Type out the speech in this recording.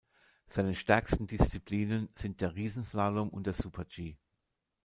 Seine stärksten Disziplinen sind der Riesenslalom und der Super-G.